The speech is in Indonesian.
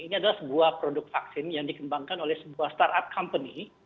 ini adalah sebuah produk vaksin yang dikembangkan oleh sebuah startup company